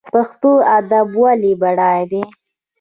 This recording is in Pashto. پښتو ادب ولې بډای دی؟